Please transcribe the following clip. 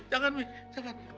ya umi jangan mi jangan